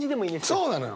そうなのよ。